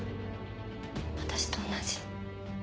私と同じ。